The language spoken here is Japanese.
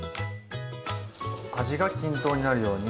味が均等になるように。